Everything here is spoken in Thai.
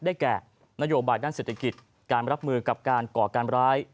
แก่นโยบายด้านเศรษฐกิจการรับมือกับการก่อการร้าย